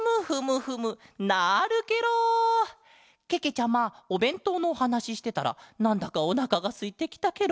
ちゃまおべんとうのおはなししてたらなんだかおなかがすいてきたケロ。